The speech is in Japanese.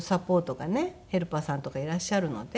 ヘルパーさんとかいらっしゃるので。